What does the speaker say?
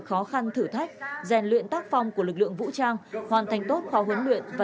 khó khăn thử thách rèn luyện tác phong của lực lượng vũ trang hoàn thành tốt khóa huấn luyện và